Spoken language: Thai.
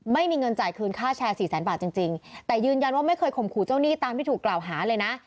ไม่มีเงินจ่ายคืนค่าแชร์สี่แสนบาทจริงจริงแต่ยืนยันว่าไม่เคยข่มขู่เจ้าหนี้ตามที่ถูกกล่าวหาเลยนะ